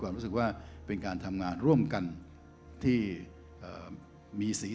เพราะฉะนั้นเราทำกันเนี่ย